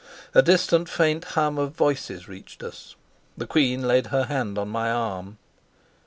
A distant faint hum of voices reached us. The queen laid her hand on my arm.